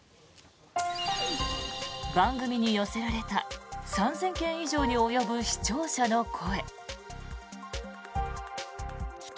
番組に寄せられた３０００件以上に及ぶ視聴者の声。